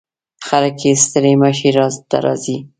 خلک یې ستړي مشي ته راځي.